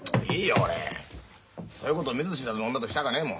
俺そういうこと見ず知らずの女としたかねえもん。